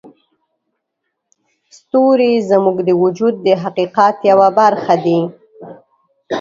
ستوري زموږ د وجود د حقیقت یوه برخه دي.